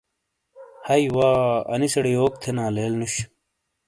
ہیئ وا انیسیڑے یوک تھینا لیل نُش۔